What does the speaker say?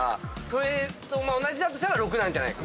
それと同じだとしたら６なんじゃないか。